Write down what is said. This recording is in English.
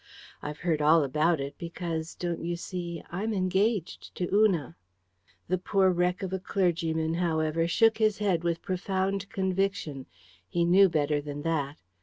I've heard all about it, because, don't you see, I'm engaged to Una." The poor wreck of a clergyman, however, shook his head with profound conviction. He knew better than that.